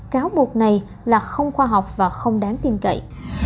cáo buộc này là không khoa học và không đáng tin cậy